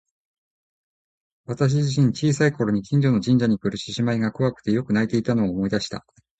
私自身、小さい頃に近所の神社にくる獅子舞が怖くてよく泣いていたのを思い出した。